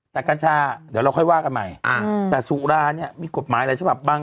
แต่กัญชาเดี๋ยวเราค่อยว่ากันใหม่แต่สุราเนี่ยมีกฎหมายหลายฉบับบาง